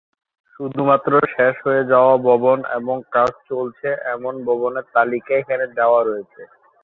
শুধুমাত্র শেষ হয়ে যাওয়া ভবন এবং কাজ চলছে এমন ভবনের তালিকা এখানে দেওয়া রয়েছে।